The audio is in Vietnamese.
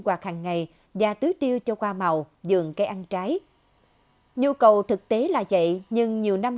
quạt hàng ngày và tưới tiêu cho qua màu dường cây ăn trái nhu cầu thực tế là vậy nhưng nhiều năm